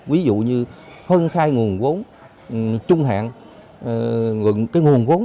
ví dụ như phân khai nguồn vốn trung hạn